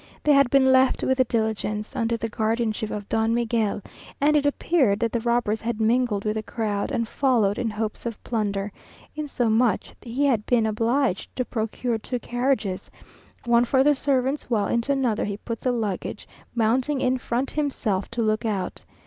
They had been left with the diligence, under the guardianship of Don Miguel, and it appeared that the robbers had mingled with the crowd, and followed in hopes of plunder; insomuch that he had been obliged to procure two carriages, one for the servants, while into another he put the luggage, mounting in front himself to look out.